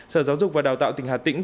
sở giáo dục và đào tạo tỉnh hà tĩnh